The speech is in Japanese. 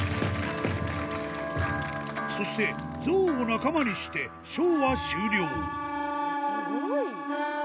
そして象を仲間にしてショーは終了